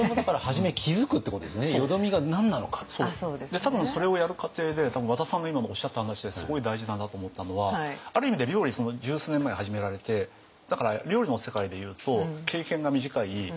で多分それをやる過程で多分和田さんの今のおっしゃった話ですごい大事だなと思ったのはある意味で料理十数年前に始められてだから料理の世界でいうと経験が短いよそ者じゃないですか。